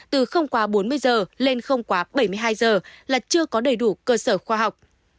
từ không quá bốn mươi giờ lên không quá bảy mươi hai giờ là chưa có đầy đủ cơ sở khoa học